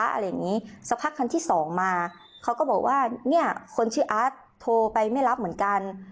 อะไรอย่างงี้สักพักคันที่สองมาเขาก็บอกว่าเนี่ยคนชื่ออาร์ตโทรไปไม่รับเหมือนกัน